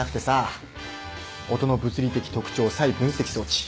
音の物理的特徴差異分析装置。